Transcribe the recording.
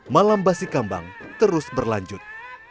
malam basi kambang terus berlanjut